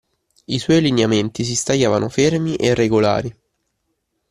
I suoi lineamenti si stagliavano fermi e regolari.